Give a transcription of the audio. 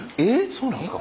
そうなんですか？